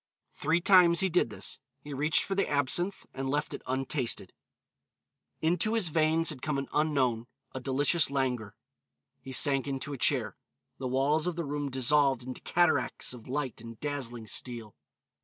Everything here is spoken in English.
Three times he did this. He reached for the absinthe and left it untasted. Into his veins had come an unknown, a delicious languor. He sank into a chair. The walls of the room dissolved into cataracts of light and dazzling steel.